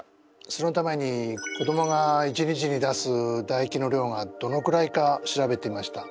そのために子どもが１日に出すだ液の量がどのくらいか調べてました。